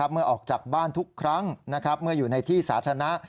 เมื่อออกจากบ้านทุกครั้งเมื่ออยู่ในที่สาธารณะ